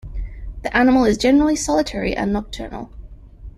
The animal is generally solitary and nocturnal.